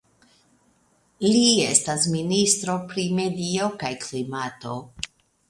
Li estas ministro pri medio kaj klimato.